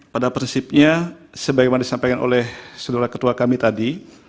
pada prinsipnya sebagaimana disampaikan oleh saudara ketua kami tadi